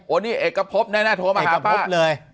โอ้นี่เอกพบแน่โทรมาหาป้าเอกพบเลย